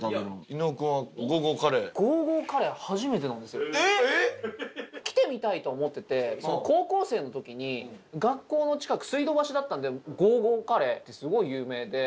伊野尾君はゴーゴーカレー？えっ！えっ！来てみたいとは思ってて高校生の時に学校の近く水道橋だったのでゴーゴーカレーってすごい有名で。